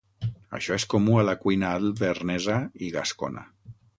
Això és comú a la cuina alvernesa i gascona.